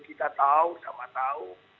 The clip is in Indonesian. kita tahu sama tahu